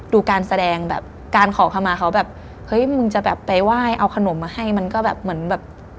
ดูการแสดงแบบ